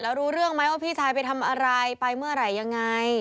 แล้วรู้เรื่องไหมว่าพี่ชายไปทำอะไรไปเมื่อไหร่ยังไง